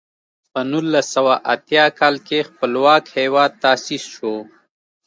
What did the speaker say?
په نولس سوه اتیا کال کې خپلواک هېواد تاسیس شو.